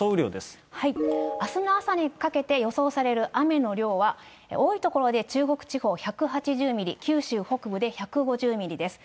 あすの朝にかけて予想される雨の量は、多い所で中国地方１８０ミリ、九州北部で１５０ミリです。